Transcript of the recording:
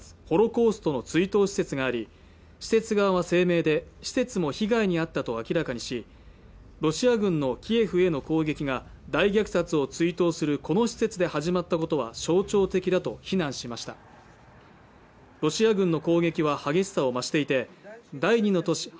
ホロコーストの追悼施設があり施設側は声明で施設も被害に遭ったと明らかにしロシア軍のキエフへの攻撃が大虐殺を追悼するこの施設で始まったことは象徴的だと非難しましたロシア軍の攻撃は激しさを増していて第２の都市